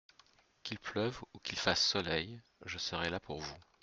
Qu’il pleuve ou qu’il fasse soleil, je serai là pour vous.